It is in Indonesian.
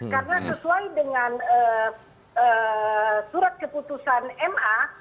karena sesuai dengan surat keputusan ma